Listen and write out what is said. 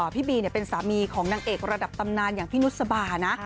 พี่บีเป็นสามีของนางเอกระดับตำนานอย่างพี่นุษบานะ